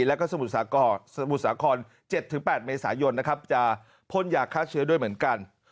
แล้วก็สมุทรสมุทรสาคร๗๘เมษายนนะครับจะพ่นยาฆ่าเชื้อด้วยเหมือนกัน